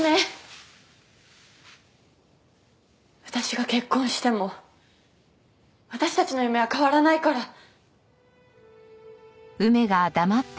私が結婚しても私たちの夢は変わらないから。